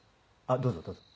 あっどうぞどうぞ。